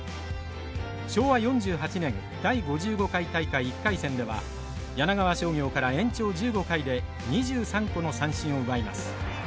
昭和４８年第５５回大会１回戦では柳川商業から延長１５回で２３個の三振を奪います。